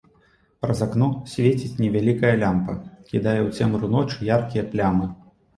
Праз акно свеціць невялікая лямпа, кідае ў цемру ночы яркія плямы.